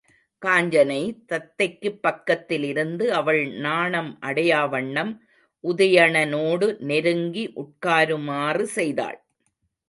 காஞ்சனை, தத்தைக்குப் பக்கத்தில் இருந்து, அவள் நாணம் அடையா வண்ணம் உதயணனோடு நெருங்கி உட்காருமாறு செய்தாள்.